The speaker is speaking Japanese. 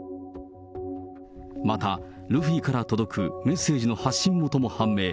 また、ルフィから届く、メッセージの発信元も判明。